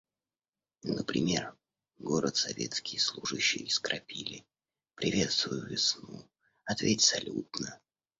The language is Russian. Например: город советские служащие искрапили, приветствуй весну, ответь салютно!